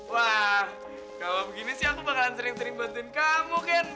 wah kalau begini sih aku bakalan sering sering buatin kamu kan